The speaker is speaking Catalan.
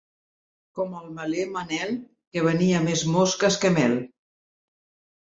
Com el meler Manel, que venia més mosques que mel.